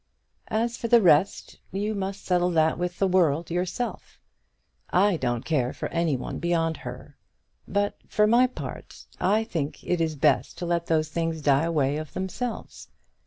"As for the rest, you must settle that with the world yourself. I don't care for any one beyond her. But, for my part, I think it is the best to let those things die away of themselves.